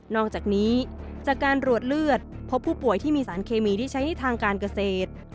อกจากนี้จากการรวดเลือดพบผู้ป่วยที่มีสารเคมีที่ใช้ในทางการเกษตร